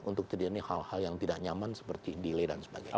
untuk terjadi hal hal yang tidak nyaman seperti delay dan sebagainya